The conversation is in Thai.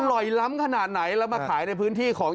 ล้ำขนาดไหนแล้วมาขายในพื้นที่ของ